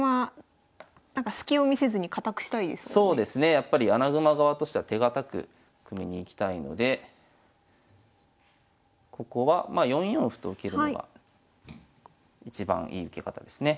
やっぱり穴熊側としては手堅く組みにいきたいのでここはまあ４四歩と受けるのがいちばんいい受け方ですね。